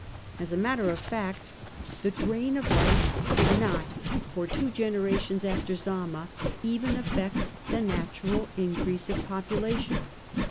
As a matter of fact, the drain of life did not, for two generations after Zama, even affect the natural increase of population.